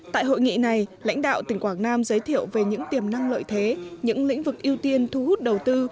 tại hội nghị này lãnh đạo tỉnh quảng nam giới thiệu về những tiềm năng lợi thế những lĩnh vực ưu tiên thu hút đầu tư